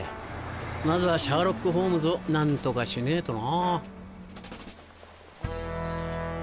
まずはシャーロック・ホームズを何とかしねえとな。